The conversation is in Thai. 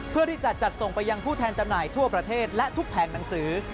เพื่อที่จะจัดส่งไปยังผู้แทนจำหน่ายทั่วประเทศและทุกแผงหนังสือ